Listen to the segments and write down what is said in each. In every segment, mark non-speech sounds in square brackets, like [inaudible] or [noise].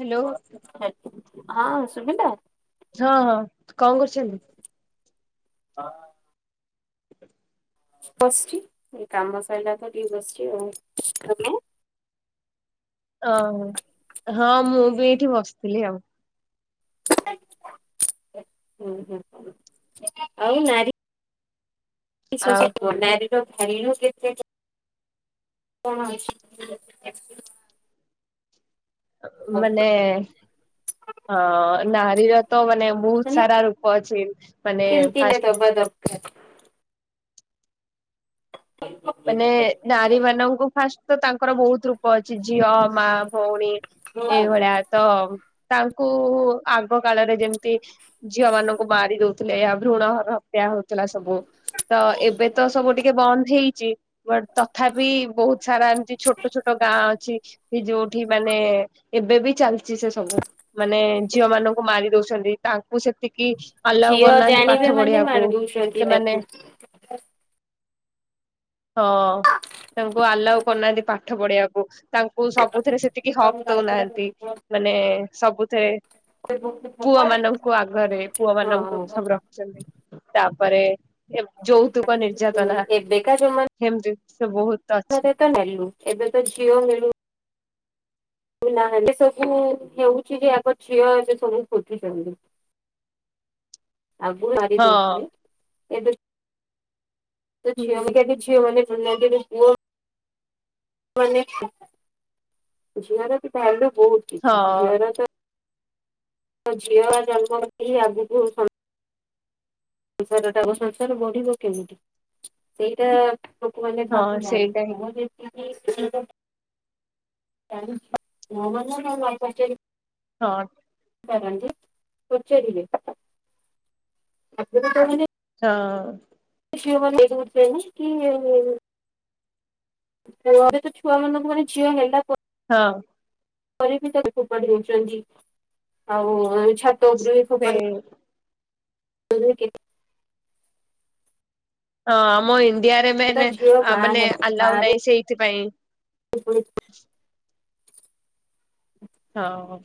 Hello. Hello, ହଁ ଶୁଭିଲା। କଣ କରୁଛନ୍ତି? ହଁ। [inaudible] ବସିଛି, ଏଇ କାମ ସଇଲା ତ ଟିକେ ବସିଛି ଆଉ। ଅଁ ହଁ ମୁଁ ବି ଏଇଠି ବସିଥିଲି ଆଉ। ଉଁ ହୁଁ ହୁଁ, ଆଉ ନାରୀ ଆଉ [unintelligible] [inaudible] ମାନେ ହଁ, ନାରୀ ର ତ ମାନେ ବହୁତ ସାରା ରୂପ ଅଛି। [inaudible] କେମତି ନ ଫାଷ୍ଟ ଦବା ଦରକାର। ମାନେ ନାରୀ ମାନଙ୍କୁ ଫାଷ୍ଟ ତ ତାଙ୍କର ବହୁତ ରୂପ ଅଛି ଝିଅ ମା ଭଉଣୀ। ଏଇଭଳିଆ, ତ ତାଙ୍କୁ ଆଗ କାଳରେ ଯେମିତି ଝିଅ ମାନଙ୍କୁ ମାରି ଦଉଥିଲେ ଏହା ଭ୍ରୁଣ ହତ୍ୟା ହଉଥିଲା ସବୁ। ତ ଏବେ ତ ସବୁ ଟିକେ ବନ୍ଦ ହେଇଛି। ବଟ୍ ତଥାପି ବହୁତ ସାରା ଏମିତି ଛୋଟ ଛୋଟ ଗାଁ ଅଛି। କି ଯୋଉଠି ମାନେ ଏବେ ବି ଚାଲିଛି ସେ ସବୁ। ମାନେ ଝିଅ ମାନଙ୍କୁ ମାରି ଦଉଛନ୍ତି, ତାଙ୍କୁ ସେତିକି ଆଲାଉ ଝିଅ କରୁନାହାନ୍ତି ଜାଣିବେ ପାଠ ମାନେ ପଢିବାକୁ। ମାରି ଦଉଛନ୍ତି ତାକୁ। ସେମାନେ ହଁ ତାଙ୍କୁ ଆଲାଉ କରୁନାହାନ୍ତି ପାଠ ପଢିବାକୁ। ତାଙ୍କୁ ସବୁଥିରେ ସେତିକି ହକ୍ ଦଉନାହାନ୍ତି ହଁ ମାନେ ସବୁଥିରେ। ପୁଅ ମାନଙ୍କୁ ଆଗରେ ପୁଅମାନଙ୍କୁ ସବୁର ତାପରେ ଯୌତୁକ ନିର୍ଯାତନା। ଏବେକା ଜମାନା ହେମତି ସେ ବହୁତ। ଅଛି। ନେଲୁ। ଏବେ ତ ଝିଅ ମିଳୁ ନାହାନ୍ତି। ସବୁ ହେଉଛି ଯେ ଆଗ ଝିଅ ଏବେ ସବୁ ଖୋଜୁଛନ୍ତି। ଆଗୁରୁ ମାରି ହଁ ଦଉଥିଲେ, ଏବେ ହୁଁ [unintelligible] [inaudible] ହଁ [unintelligible] ସଂସାର ଟାକୁ, ସଂସାର ବଢିବ କେମିତି ସେଇଟା ଲୋକ ମାନେ ହଁ ଭାବୁ ନାହାନ୍ତି। ସେଇଟା ହିଁ ପୁଅ ଯେମିତି କି [inaudible] ହଁ। [unintelligible] ହଁ। [inaudible] ରେ ତ ଛୁ ମାନଙ୍କୁ ଣି ଝିଅ ହେଲା ପ [unintelligible] ହଁ। ପରେ ବି ତାକୁ ଫୋପାଡ଼ିଦଉଚନ୍ତି ଆଉ ଛା। ଫେ କେ ହଁ ଆମ ଇଣ୍ଡିଆରେ ସେ ତ ମେନେ ଝିଅ ଆ ମା ମାନେ ହେବ ମା ଆଲାଉ ରୁ ନାହିଁ ସେଇଥିପାଇଁ। [inaudible] ହଁ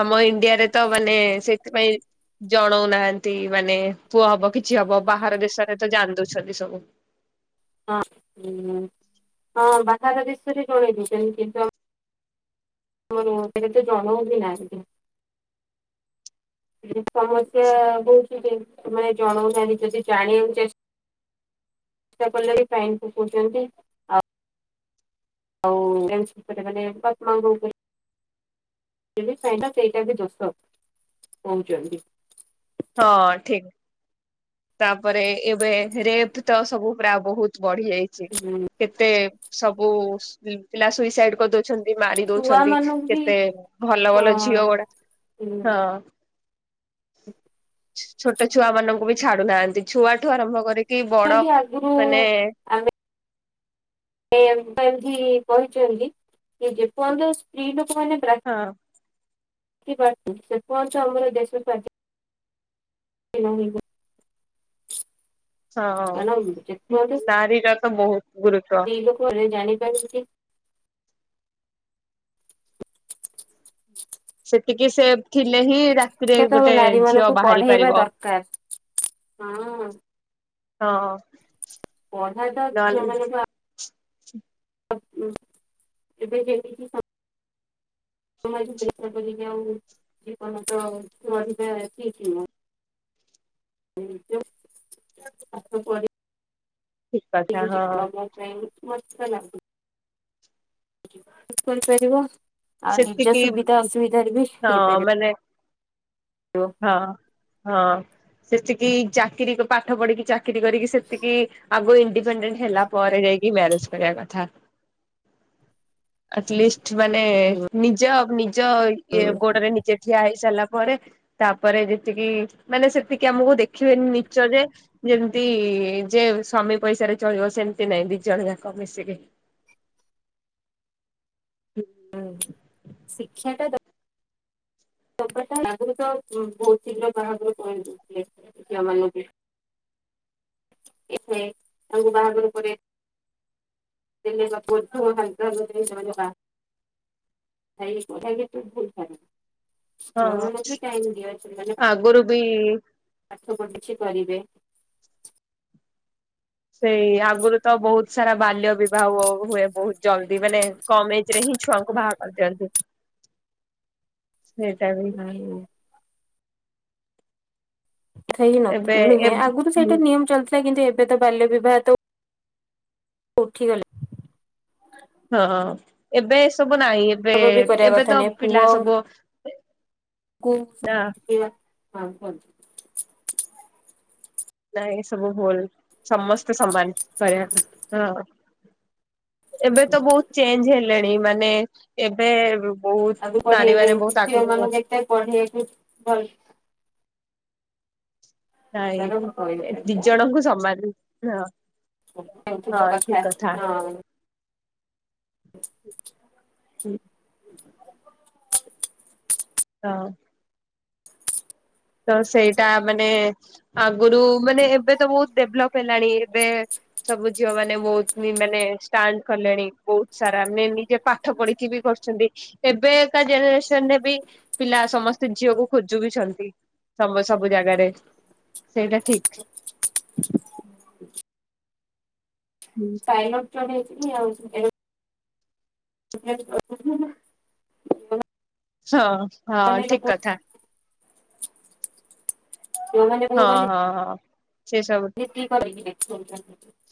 ଆମ ଇଣ୍ଡିଆରେ ତ ମାନେ ସେଥିପାଇଁ। ଜଣଉନାହାନ୍ତି ମାନେ ପୁଅ ହବ କିଛି ହବ ବାହାର ଦେଶରେ ତ ଜାଣି ଦଉଛନ୍ତି ସବୁ। ହଁ-ହଁ ବାହାର ଦେଶରେ ଜଣେଇ ଦଛନ୍ତି କିନ୍ତୁ ଆ ର କେତେ ଜଣଉ ବି ନାହାନ୍ତି। ସମସ୍ୟା ବହୁଛିନେ ଜଣାଉନାହାନ୍ତି ଯଦି ଜାଣିବାକୁଚେଷ୍ ଚେଷ୍ଟା କଲେ ବି ପାଇନ୍ ପକଉଚନ୍ତି। ହଉ ଏନ୍ସ୍ଭିତରେ କଲେ। [unintelligible] ସାହିଁଟା ସେଇଟା ବି ଦୋଶ କହୁଚନ୍ତି। ହଁ ଠିକ୍। ତାପରେ ଏବେ ରେଫ୍ତ୍ ସବୁ ପୁରା ବହୁତ୍ ବଢି ଯାଇଚି। କେତେ ସବୁ ସ ପିଲା ସୁଇସାଇଡ୍ କରିଦଉ ଛନ୍ତି ମାରି ଛୁଆ ଦଉଛନ୍ତି ମାନଙ୍କୁ ବି କେତେ ଭଲ-ଭଲ ହଁ ଝିଅ ଗୁଡା। ହଁ। ଯେମିତି ଛୋଟ ଛୁଆ ମାନଙ୍କୁ ବି ଛାଡୁନାହାନ୍ତି ଛୁଆଠୁ ଆରମ୍ଭ କରିକି ବଡ ଆଗରୁ ମାନେ ଏମ୍ ତା ଧି କହିଚନ୍ତି ଯେପର୍ଯ୍ୟନ୍ତ ସ୍ତ୍ରୀ ଲୋକମାନେ ପ୍ରା ହଁ [unintelligible] ସେପୟନ୍ତ ଆମର ଦେଶ ସ୍ବା [inaudible] ହଁ କାରଣ ଯେପର୍ଯ୍ୟନ୍ତ ନାରୀର ବହୁତ୍ ଗୁରୁତ୍ଵ। ଲୋକ ଜାଣିପାରୁ ସେତିକି ସେଫ୍ ଥିଲେ ହିଁ ରା ତିରେ ତ ଗୋଟେ ନାରୀ ଝିଅ ମାନଙ୍କୁ ବାହାରି ପଢେଇବା ପାରିବ। ଦରକାର। ହଁ ହଁ। ପଢା ତ ଝିଅ ନହେଲେ ମାନ ଏବେ ଯେତିକି। [unintelligible] ଠିକ୍ ନୁହଁ। [inaudible] ଠିକ କଥା ହଁ [inaudible] କରିପାରିବ ଆଉ ନିଜ ସେତିକି ସୁବିଧା ଅସୁବିଧାରେ ବି ହଁ ହେଇପାରିବ। [inaudible] ହଁ-ହଁ ସେତିକି ଚାକିରି ପାଠ ପଢିକି ଚା ଚାକିରି କରିକି ସେତିକି ଆଗ ଇଣ୍ଡିପେଣ୍ଡେଣ୍ଟ୍ ହେଲା ପରେ ଯାଇକି ମ୍ୟାରେଜ୍ କରିବା କଥା। ଆଟଲିଷ୍ଟ୍ ମାନେ ହୁଁ ନିଜ-ନିଜ ଇଏ ଗୋଡରେ ନିଜେ। ଠିଆ ହେଇ ସାରିଲା ପରେ ତାପରେ ଯେତିକି ମାନେ ସେତିକି ଆମକୁ ଦେଖିବେନି ନିଚ ଯେ। ଯେମିତି ଯେ ସ୍ଵାମୀ ପଇସାରେ ଚଳିବ ସେମିତି ନାଇଁ, ଦି ଜଣ ଯାଙ୍କ ମିଶିକି [inaudible] ହୁଁ, ଶିକ୍ଷାଟା ଦ ଆଗରୁ ତ ବହୁତ ଶୀଘ୍ର ବାହାଘର କରେଇ ଦେଉ ଝିଅମାନଙ୍କୁ। ଏବେ କଉ ବାହାଘର ପରେ ଏବେ [inaudible] [unintelligible] ହୁଏ। ପାଠ ପଢ଼ି କିଛି କରିବେ। ସେୟା ଆଗରୁ ତ ବହୁତ ସାରା ବାଲ୍ୟ ବିବାହ ହ ହୁଏ। ବହୁତ ଜଲଦି ମାନେ କମ ଏଜ ରେ ହିଁ ଛୁଆଙ୍କୁ ବାହା କରିଦିଆଯାଏ। ସେ ଟାଇମରେ [inaudible] ସେଇ ନ ଏବେ ଥା ନୁହେଁ ଆଗରୁ ସେଇଟା ନିୟମ ଚାଲଛି ସେବେ କିନ୍ତୁ ଏବେ ତ ବାଲ୍ୟ ବିବାହ ତ [inaudible] ଉଠିଗଲା। ହଁ। ଏବେ ଏ ସବୁ ନାଇଁ ଏବେ ଉତ୍ସବ ବି କରିବା ଏବେ କଥା ତ ନୁହେଁ ପିଲା ସବୁ ନା କୋଉ [unintelligible] ନାଇଁ ଏ ସବୁ ଭୁଲ। [inaudible] ସମସ୍ତେ ସମାନ ପଢ଼ିବା [inaudible] ହଁ। ଏବେ ତ ବହୁତ ଚେଞ୍ଜ ହେଲେଣି, ମାନେ ଏବେ ବହୁତ, ଆଗରୁ ନାରୀ ପଢେଇବେ ମାନେ ବହୁତ ଝିଅ ଆଗକୁ ଆଗକୁ ଗଲେଣି [unintelligible] ନାଇଁ [inaudible] ଏ ଦି ଜଣଙ୍କୁ ସମାନ। ହଁ। ହଁ [unintelligible] ଠିକ କଥା ହଁ। [inaudible] [inaudible] ହଁ। ତ ସେଇଟା ମାନେ [inaudible] ଆଗରୁ ମାନେ ଏବେ ତ ବହୁତ ଡେଭଲପ ହେଲାଣି। ଏବେ ସବୁ ଝିଅ ମାନେ ବହୁତ ବି ମାନେ ଷ୍ଟାଣ୍ଡ କଲେଣି। ବହୁତ ସାରା ମେ ନିଜେ ପା ଠ ପଢିକି ବି କରୁଛନ୍ତି। ଏବେକା ଜେନେରେସନରେ ବି ପିଲା ସମସ୍ତେ ଝିଅକୁ ଖୋଜୁ ବି ଛନ୍ତି। ତମ ସବୁ ଜାଗାରେ [inaudible] ସେଇଟା ଠିକ। [inaudible] [unintelligible] [unintelligible] ହଁ। ମାନେ ହଁ। ଠିକ ଲୋକ କଥା। ଯୋଉମାନେ ହଁ। ମୁଁ ମାନେ ହଁ। ହଁ। ସେ ସବୁ [unintelligible]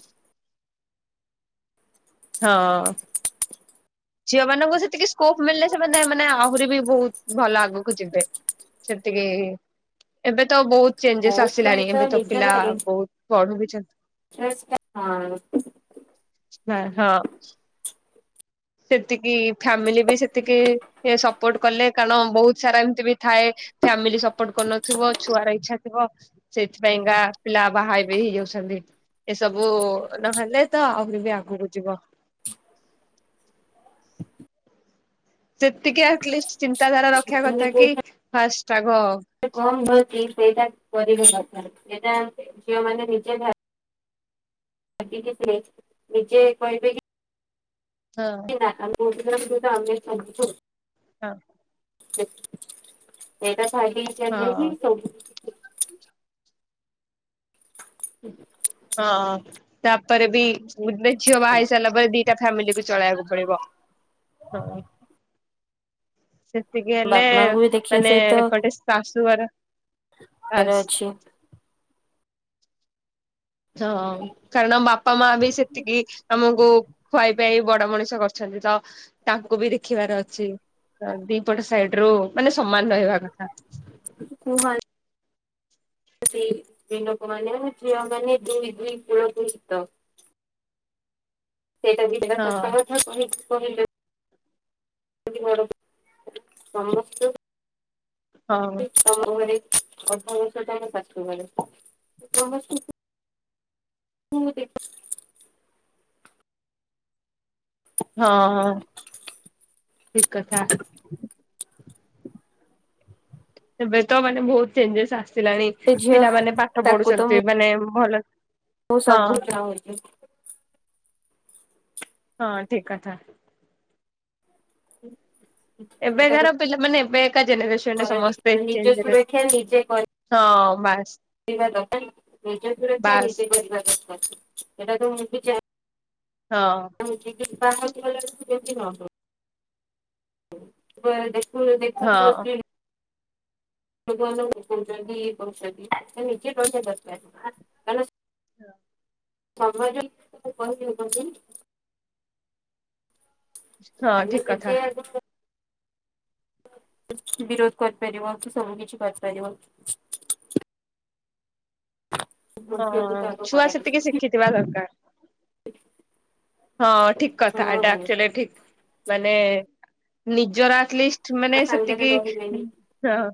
ହଁ। ଝିଅ ମାନଙ୍କୁ ସେତିକି ସ୍କୋପ ମିଳିଲେ ସେମାନେ ମାନେ ଆହୁରି ବି ବହୁତ ଭଲ ଆଗକୁ ଯିବେ। ସେତିକି [inaudible] ଏବେ ତ ବହୁତ ଚେଞ୍ଜେସ୍ କୋଉ ଆସିଲାଣି। ସହିତ ଏବେ ତ ନିଜର ପିଲା ବହୁତ ପଢୁ ବି ଛନ୍ତି। [unintelligible] ସ୍ପା ହଁ। ସେତିକି ଫ୍ୟାମିଲି ବି ସେତିକି ସପୋର୍ଟ କଲେ। କାରଣ ବହୁତ ସାରା ଏମିତି ବି ଥାଏ ଫ୍ୟାମିଲି ସପୋର୍ଟ କଚୁନଥିବ। ଛୁଆର ଇଚ୍ଛା ଥିବ ସେଇଥିପାଇଁକା ପିଲା ବାହା ବି ହେଇଯାଉଛନ୍ତି। ଏସବୁ ନହେଲେ ତ ଆହୁରି ବି ଆଗକୁ ଯିବ। ସେତିକି ଆଟଲିଷ୍ଟ ଚିନ୍ତାଧାରା ରଖିବା କଥା କି, [inaudible] ଫାଷ୍ଟ ଆଗ କମ ହେଉଚି ସେଇଟା କରିବା ଦରକାର। ଏଟା ଝିଅ ମାନ ନିଜେ ଭାବି [unintelligible] ନିଜେ କହିବେ କି ହଁ। [unintelligible] [unintelligible] ହଁ [unintelligible] ହଁ ହ ତାପରେ ବି ଗୋଟେ ଝିଅ ବାହା ହେଇ ସାରିଲା ପରେ ଦିଟା ଫ୍ୟାମିଲି କୁ ଚଳେଇବାକୁ ପଡିବ। ହଁ। ସେତିକି ହେଲେ ବାପା ମାଙ୍କୁ ବି ଦେଖିବା ମାନେ ସହିତ ଏପଟେ ଶାଶୁଘର ବାର [unintelligible] ଅଛି। ହଁ କାରଣ ବାପା ମା ବି ସେତିକି ଆମକୁ ଖୁଆଇ ପିଆଇ ବଡ ମଣିଷ କରିଛନ୍ତି ତ ତାଙ୍କୁ ବି ଦେଖିବାର ଅଛି। ହଁ ଦିପଟ ସାଇଡ ରୁ ମାନେ ସମାନ ରହିବା କଥା। [unintelligible] ସ୍ତ୍ରୀ ସ୍ତ୍ରୀଲୋକମାନେ ଝିଅମାନେ ଦୁଇ ଦୁଇ କୂଳକୁ ହୀତ। ସେଇଟା ଦଟା ସଙ୍କ ହଁ କଥା କହି କହିଲ। ର ସମସ୍ତ। ହଁ। [unintelligible] [unintelligible] ହଁ ହଁ ଠିକ କଥା। ଏବେ ତ ମାନେ ବହୁତ ଚେଞ୍ଜେସ ଆସିଲାଣି ସେ ଝିଅ ପିଲାମାନେ ପାଠ ପଢୁଛନ୍ତି ମାନେ ଭଲ ମୁଁ ହଁ ସବୁ ଚାହୁଁଛି। ହଁ ଠିକ କଥା। ହୁଁ। ତାକୁ ଏବେକାର ପିଲାମାନେ ଏବେକା ଜେନେରେସନରେ କରନ୍ତି ସମସ୍ତେ ନିଜ [unintelligible] ସୁରକ୍ଷା ହଁ ବାସ୍। ଜାଣିବା ଦରକାର ନିଜ ସୁୁରକ୍ଷା ବାସ୍ ନିଜେ କରିବା ଦରକାର ଏଇଟା ଯେଉଁ ନିଜେ ଜାଣି ହଁ। [unintelligible] ହଁ [unintelligible] [unintelligible] ହଁ। [unintelligible] ହଁ ତମେ ଠିକ କଥା। ନିଜେ ଆଗ ବିରୋଧ କରିପାରିବ କି ସବୁ କିଛି କରିପାରିବ। ଝିଅକୁ ହଁ ତ ଆଗ ଛୁଆ କରାଇକି ସେତିକି ଶିଖି ଶିଖିଥିବା ଦରକାର। ହଁ ଠିକ କଥା ଏଇଟା ହଁ ଆକ୍ଚ୍ୟୁଲି ଠିକ ମାନେ ନିଜର ଏଟଲିଷ୍ଟ ତା ମାନେ ସାଙ୍ଗରେ ସେତିକି ରହିବେନି ହିଁ-ହଁ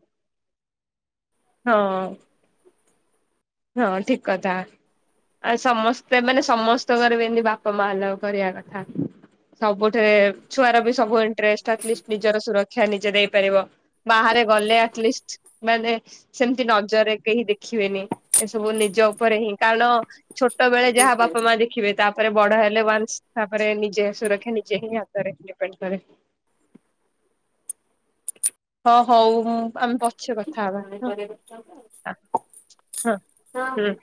ହଁ। ହଁ ଠିକ କଥା। ଆଉ ସମସ୍ତେ ମାନେ ସମସ୍ତଙ୍କର ବି ଏମିତି ବାପା ମା ଏଲାଓ କରିବା କଥା। ସବୁଠରେ ଛୁଆର ବି ସବୁ [unintelligible] ନିଜର ସୁରକ୍ଷା ନିଜେ ଦେଇପାରିବ ବାହାରେ ଗଲେ ଏଟଲିଷ୍ଟ ମାନେ ସେମତି ନଜରରେ କେହି ଦେଖିବେନି ଏସବୁ ନିଜ ଉପରେ ହିଁ କାରଣ ଛୋଟ ବେଳେ ଯାହା ବାପା ମା ଦେଖ ଦେଖିବେ ତାପରେ ବଡ଼ ହେଲେ ୱାନସଂ ତାପରେ ନିଜେ ସୁରକ୍ଷା ନିଜେ ହିଁ ହାତରେ ଡିପେଣ୍ଡ କରେ। ହଁ ହଉ ମୁଁ ଆମେ ବସ [unintelligible] ଛି କଥା ହବା [unintelligible] ହଁ ହଁ-ଆ-ହଁ-ହୁଁ ହଁ